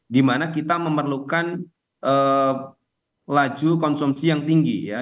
dimana kita memerlukan laju konsumsi yang tinggi ya